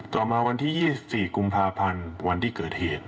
ต่อมาวันที่๒๔กุมภาพันธ์วันที่เกิดเหตุ